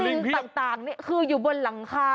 น้องลิงต่างคืออยู่บนหลังคา